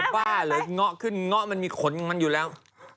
บ้าเหรอง็อขึ้นง็อมันมีขนมันอยู่แล้ว